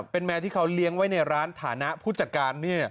เป็นแมวที่เขาเลี้ยงไว้ในร้านฐานะผู้จัดการ